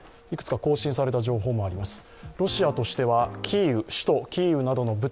いくつか更新された情報もあります。